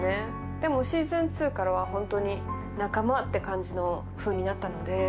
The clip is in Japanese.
でもシーズン２からは本当に仲間って感じのふうになったので。